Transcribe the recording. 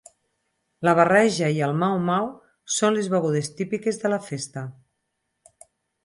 La barreja i el mau-mau són les begudes típiques de la festa.